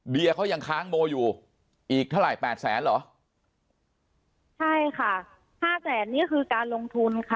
เขายังค้างโมอยู่อีกเท่าไหร่แปดแสนเหรอใช่ค่ะห้าแสนนี่คือการลงทุนค่ะ